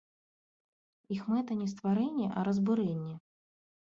Іх мэта не стварэнне, а разбурэнне.